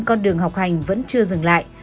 con đường học hành vẫn chưa dừng lại